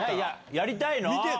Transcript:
やりたいの？